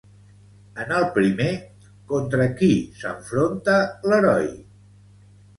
En el primer, contra qui s'enfronta l'heroi?